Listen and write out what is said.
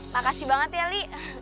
makasih banget ya li